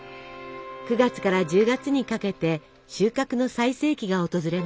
９月から１０月にかけて収穫の最盛期が訪れます。